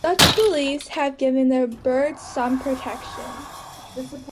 Such beliefs have given the bird some protection.